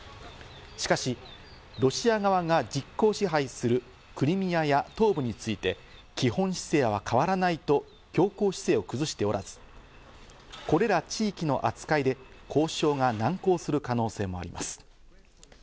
しかし、ロシア側が実効支配するクリミアや東部について、基本姿勢は変わらないと強硬姿勢を崩しておらず、これら地域の扱いで交渉が難航する可能性もあります。